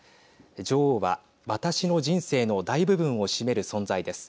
女王は、私の人生の大部分を占める存在です。